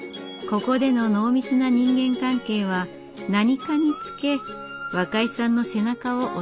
ここでの濃密な人間関係は何かにつけ若井さんの背中を押してくれました。